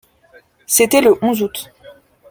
C’était le onze août.